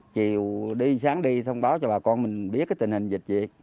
chiều đi sáng đi thông báo cho bà con mình biết cái tình hình dịch gì